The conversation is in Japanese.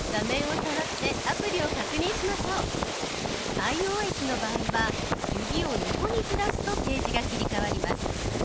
ｉＯＳの場合は指を横にずらすとページが切り替わります。